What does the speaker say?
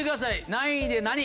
何位で何？